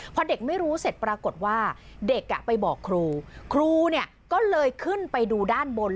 พอเด็กไม่รู้เสร็จปรากฏว่าเด็กไปบอกครูครูเนี่ยก็เลยขึ้นไปดูด้านบน